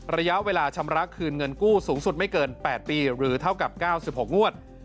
ระยะเวลาชำระคืนเงินกู้สูงสุดไม่เกิน๘ปีหรือเท่ากับ๙๖งวด